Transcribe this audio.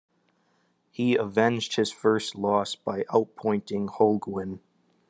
He avenged his first loss by outpointing Holguin.